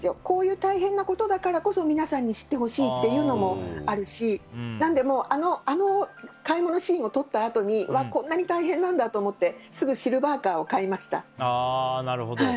こういう大変なことだからこそ皆さんに知ってほしいというのもあるしあの買い物シーンを撮ったあとにこんなに大変なんだと思ってすぐシルバーカーを買いました。